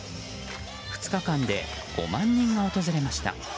２日間で５万人が訪れました。